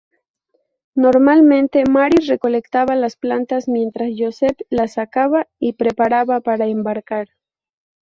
Normalmente Mary recolectaba las plantas mientras Joseph las secaba y preparaba para embarcar.